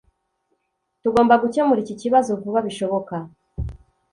Tugomba gukemura iki kibazo vuba bishoboka